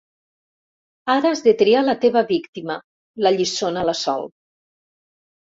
Ara has de triar la teva víctima —l'alliçona la Sol.